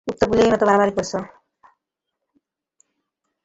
কুত্তা-বিলাইয়ের মতো মারামারি করছো?